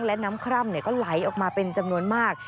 และน้ำคร่ำก็ไหลออกมาเป็นจำนวนมาก